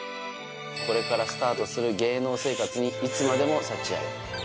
「これからスタートする芸能生活にいつまでも幸あれ」